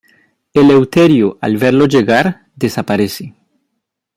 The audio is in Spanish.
Eleuterio al verlo llegar desaparece.